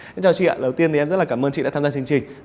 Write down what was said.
xin chào chị ạ đầu tiên thì em rất là cảm ơn chị đã tham gia chương trình